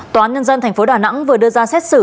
tòa nhân dân thành phố đà nẵng vừa đưa ra xét xử